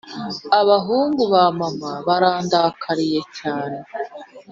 Abahungu ba mama barandakariye cyane